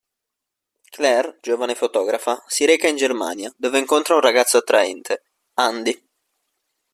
Clare, giovane fotografa, si reca in Germania, dove incontra un ragazzo attraente, Andi.